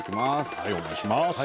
はいお願いします。